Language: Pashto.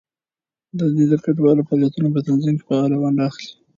دوی د ګډو فعالیتونو په تنظیم کې فعاله ونډه اخلي.